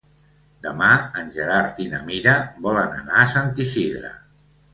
Demà en Gerard i na Mira volen anar a Sant Isidre.